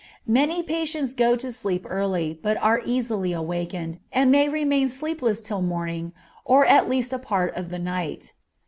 Many patients go to sleep early, but are easily awakened, and may remain sleepless till morning, or at least a part of the night.